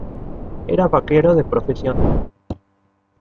Era vaquero de profesión.